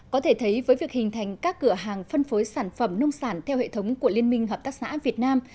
có thể thấy với việc hình thành các cửa hàng phân phối sản phẩm nông sản theo hệ thống của liên minh hợp tác xã việt nam